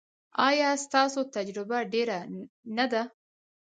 ایا ستاسو تجربه ډیره نه ده؟